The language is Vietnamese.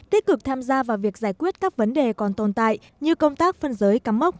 tích cực tham gia vào việc giải quyết các vấn đề còn tồn tại như công tác phân giới cắm mốc